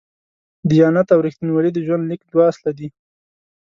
دیانت او رښتینولي د ژوند لیک دوه اصله دي.